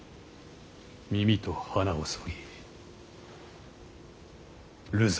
耳と鼻をそぎ流罪。